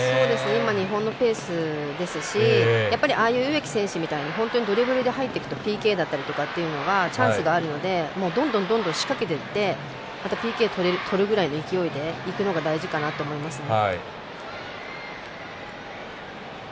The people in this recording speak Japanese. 今、日本のペースですしやっぱりああいう植木選手みたいにドリブルで入ってきてＰＫだったりとかっていうのはチャンスがあるのでどんどん仕掛けていってまたＰＫをとるぐらいの勢いでいくのが大事かなと思いますね。